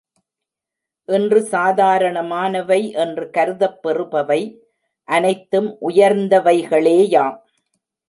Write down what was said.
இன்று சாதாரணமானவை என்று கருதப் பெறுபவை அனைத்தும் உயர்ந்தவைகளேயாம்.